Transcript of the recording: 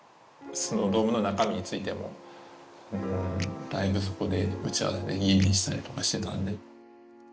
スノードームの中身についてもだいぶそこで打ち合わせで吟味したりとかしてたんで。